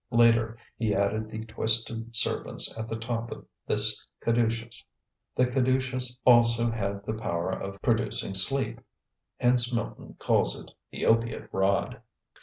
Later he added the twisted serpents at the top of this caduceus. The caduceus also had the power of producing sleep, hence Milton calls it "the opiate rod."